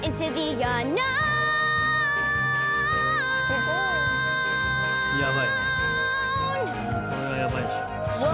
すごいな。